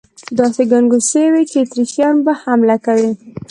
داسې ګنګوسې وې چې اتریشیان به حمله کوي.